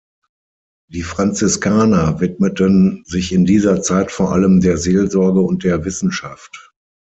Die Franziskaner widmeten sich in dieser Zeit vor allem der Seelsorge und der Wissenschaft.